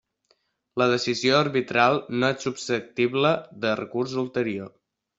La decisió arbitral no és susceptible de recurs ulterior.